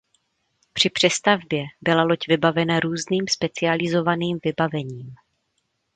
Při přestavbě byla loď vybavena různým specializovaným vybavením.